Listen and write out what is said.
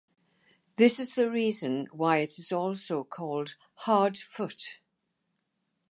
This is the reason why it is also called ("hard foot").